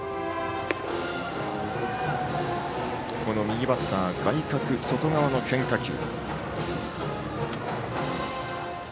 右バッター外角、外側の変化球。